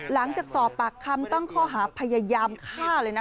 หลังจากสอบปากคำตั้งข้อหาพยายามฆ่าเลยนะคะ